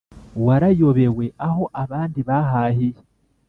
warayobewe aho abandi bahahiye